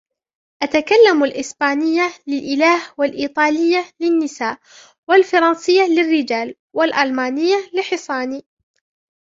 أتكلم الأسبانية للإله والإيطالية للنساء والفرنسية للرجال والألمانية لحصاني